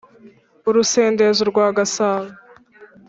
urusendeza urwa gasabo;